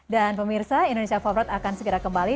dan pemirsa indonesia forward akan segera kembali